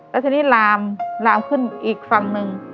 แล้วทีนี้ลามลามขึ้นอีกฝั่งหนึ่ง